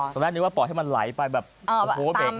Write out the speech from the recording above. ตอนแรกนึกว่าปลอดให้มันไหลไปแบบ